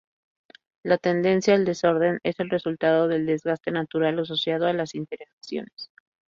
La tendencia al desorden es el resultado del desgaste natural asociado a las interacciones.